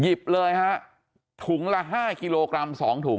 เลยฮะถุงละ๕กิโลกรัม๒ถุง